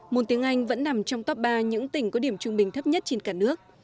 môn tiếng anh vẫn nằm trong top ba những tỉnh có điểm trung bình thấp nhất trên cả nước